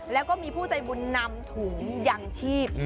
แล้วก็มีผู้ใจบุญนำถุงยังชีพ